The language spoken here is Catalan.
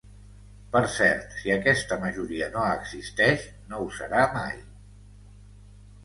Per cert, si aquesta majoria no existeix, no ho serà mai.